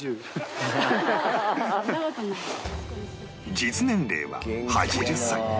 実年齢は８０歳